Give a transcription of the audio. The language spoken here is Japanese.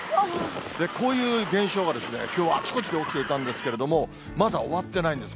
こういう現象がきょうあちこちで起きていたんですけれども、まだ終わってないんです。